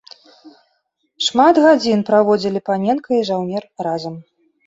Шмат гадзін праводзілі паненка і жаўнер разам.